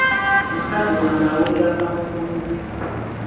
Omukazi wange awulira kaamunguluze.